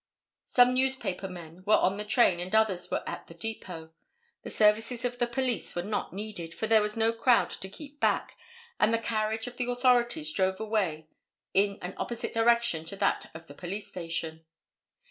Some newspaper men were on the train and others were at the depot. The services of the police were not needed, for there was no crowd to keep back, and the carriage of the authorities drove away in an opposite direction to that of the police station.